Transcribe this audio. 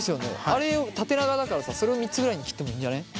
あれ縦長だからそれを３つぐらいに切ってもいいんじゃね？